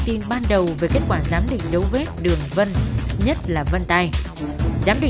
để bắt đầu mới có những cái thông tin